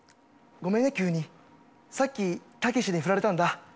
ごめんね急にさっきタケシにふられたんだ。